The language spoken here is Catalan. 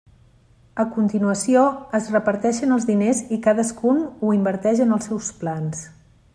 A continuació, es reparteixen els diners i cadascun ho inverteix en els seus plans.